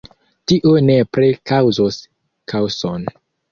Tio nepre kaŭzos kaoson.